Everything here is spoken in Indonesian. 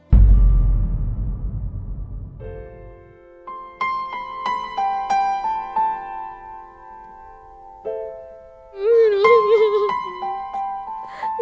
ibu sudah memaafkan kamu nak